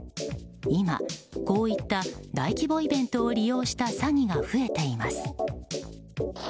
今、こういった大規模イベントを利用した詐欺が増えています。